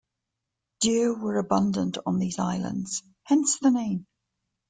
Deer were abundant on these islands, hence the name.